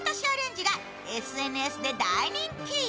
アレンジがＳＮＳで大人気。